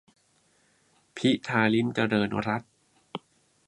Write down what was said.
- พิธา ลิ้มเจริญรัตน์